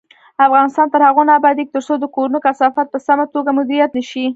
افغانستان تر هغو نه ابادیږي، ترڅو د کورونو کثافات په سمه توګه مدیریت نشي.